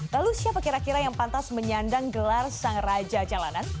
lalu siapa kira kira yang pantas menyandang gelar sang raja jalanan